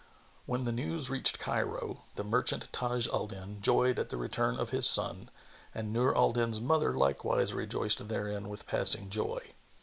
When the news reached Cairo, the merchant Taj al Din joyed at the return of his son and Nur al Din's mother likewise rejoiced therein with passing joy.